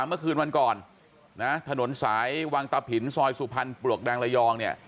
เมื่อคืนวันก่อนนะถนนสายวังตะผินซอยสุพรรณปลวกแดงระยองเนี่ย